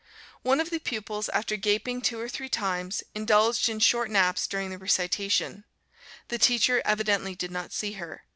One of the pupils, after gaping two or three times, indulged in short naps during the recitation; the teacher evidently did not see her.